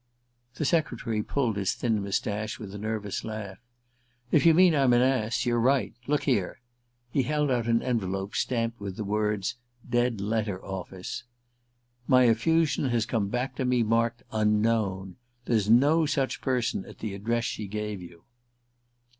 The secretary pulled his thin moustache with a nervous laugh. "If you mean I'm an ass, you're right. Look here." He held out an envelope stamped with the words: "Dead Letter Office." "My effusion has come back to me marked 'unknown.' There's no such person at the address she gave you."